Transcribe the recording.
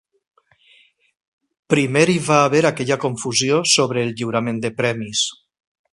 Primer hi va haver aquella confusió sobre el lliurament de premis.